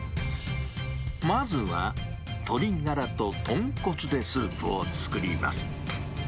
まずは鶏がらと豚骨でスープを作ります。